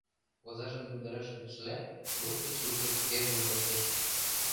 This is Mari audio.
Озажым йомдараш лӱдшыла, лук гыч лукыш перныл коштеш.